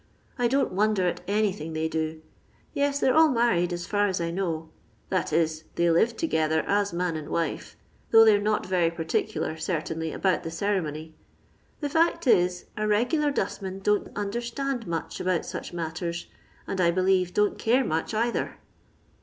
I don't wonder at anything they do. Tes, tiiey're all married, as fitf as I know ; that is, they live together as man and wife, thongh they've aot very particular, certainly, aboat the cerenny. The feet is, a regubr dostman don't nndentand much about such mattan, md, I beliere, doi't care much, either."